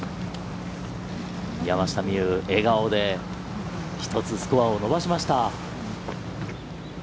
山下美夢有、笑顔で１つスコアを伸ばしました。